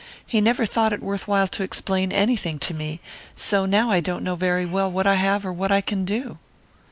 He never thought it worth while to explain anything to me, so now I don't know very well what I have or what I can do."